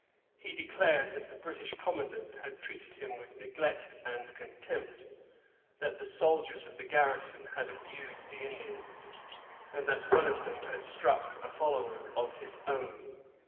He declared that the British commandant had treated him with neglect and contempt; that the soldiers of the garrison had abused the Indians; and that one of them had struck a follower of his own.